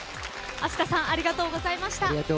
ＡＳＫＡさんありがとうございました。